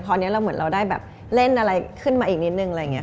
พอนี้เราเหมือนเราได้แบบเล่นอะไรขึ้นมาอีกนิดนึงอะไรอย่างนี้